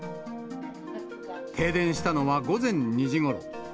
停電したのは午前２時ごろ。